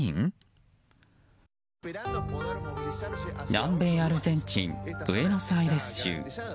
南米アルゼンチンブエノスアイレス州。